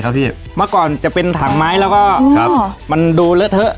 เมื่อก่อนมันต้องเป็นถังไม้ต้องมาอื่น